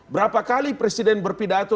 berapa kali presiden berpidato